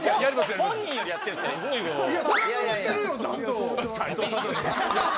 本人よりやってんすから。